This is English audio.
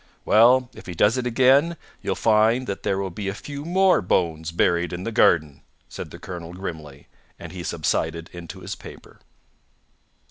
"Well, if he does it again, you'll find that there will be a few more bones buried in the garden!" said the colonel grimly; and he subsided into his paper.